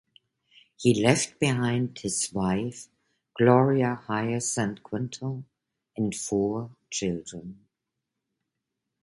He left behind his wife Gloria Hyacinth Quintal and four children.